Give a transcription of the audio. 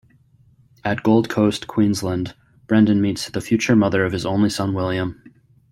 At Gold Coast, Queensland, Brenden meets the future mother of his only son William.